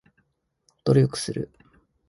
努力する